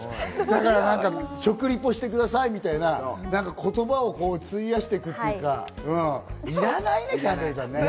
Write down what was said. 食リポしてくださいみたいな、言葉を費やしていくというか、いらないね、キャンベルさん。